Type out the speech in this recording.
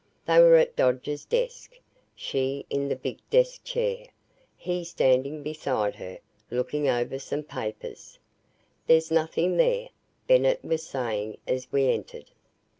They were at Dodge's desk, she in the big desk chair, he standing beside her, looking over some papers. "There's nothing there," Bennett was saying as we entered.